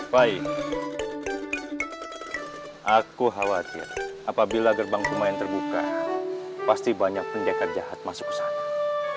fai aku khawatir apabila gerbang kumain terbuka pasti banyak penjaga jahat masuk ke sana